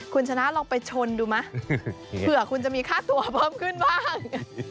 คุณชนะลองไปชนดูไหมเผื่อคุณจะมีค่าตัวเพิ่มขึ้นบ้าง